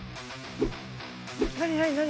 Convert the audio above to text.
何何何？